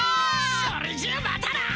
それじゃあまたな！